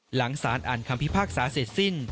หลังสารอ่านคำพิพากษาเสร็จสิ้น